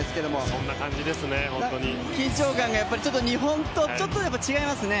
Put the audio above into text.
そんな感じですね、ホントに緊張感が日本とちょっと違いますね。